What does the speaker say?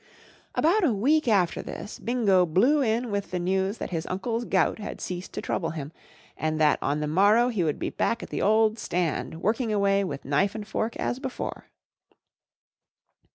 BOUT a week after this. Bingo blew in with the news that his uncle's gout had ceased to sfX' 1 trouble him, Pv 1 and that on ""*1 *™ jMLtw the morrow he would be back at the old stand work¬ ing away with knife and fork as before.